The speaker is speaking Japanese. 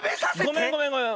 ごめんごめんごめん。